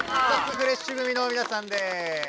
フレッシュ組のみなさんです。